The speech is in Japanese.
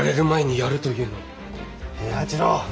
平八郎。